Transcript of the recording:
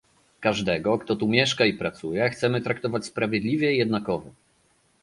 Każdego, kto tu mieszka i pracuje, chcemy traktować sprawiedliwie i jednakowo